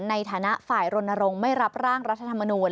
ในฐานะฝ่ายรณรงค์ไม่รับร่างรัฐธรรมนูล